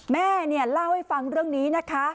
แม่เล่าให้ฟังเรื่องนี้นะคะ